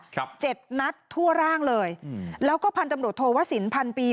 ครับเจ็ดนัดทั่วร่างเลยอืมแล้วก็พันตำรวจโทวสินพันปี